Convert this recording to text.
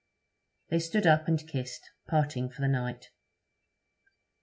They stood up and kissed, parting for the night.